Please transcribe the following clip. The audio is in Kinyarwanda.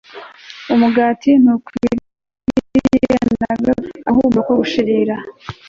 Umugati ntukwiriye na gato kugira agahumuro ko gushirira